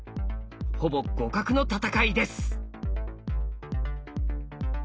ほぼ互角の戦いです。